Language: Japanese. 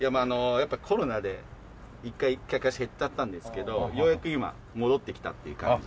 やっぱりコロナで一回客足減っちゃったんですけどようやく今戻ってきたっていう感じですね。